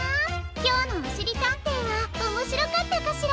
きょうの「おしりたんてい」はおもしろかったかしら？